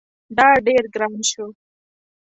دا ډیر ګران شو